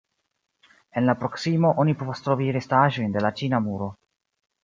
En la proksimo, oni povas trovi restaĵojn de la Ĉina muro.